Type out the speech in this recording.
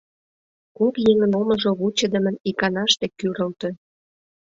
Кок еҥын омыжо вучыдымын иканаште кӱрылтӧ.